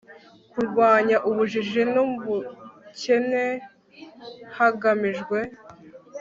kurwanya ubujiji n ubukene hagamijwe